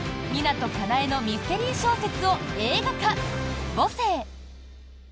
湊かなえのミステリー小説を映画化、「母性」。